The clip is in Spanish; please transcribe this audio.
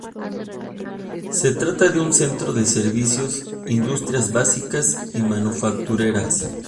Se trata de un centro de servicios, industrias básicas y manufactureras.